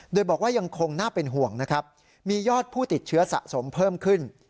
โดยบอกว่ายังคงน่าเป็นห่วงนะครับมียอดผู้ติดเชื้อสะสมเพิ่มขึ้น